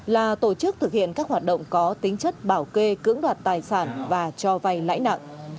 là tổ chức thực hiện các hoạt động có tính chất bảo kê cưỡng đoạt tài sản và cho vay lãi nặng